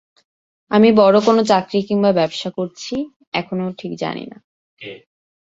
আমি বড় কোনো চাকরি কিংবা ব্যবসা করছি, এখনো ঠিক জানি না।